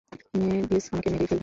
Mavis আমাকে মেরেই ফেলবে।